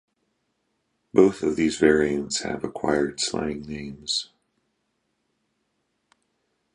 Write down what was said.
Both of these variants have acquired slang names.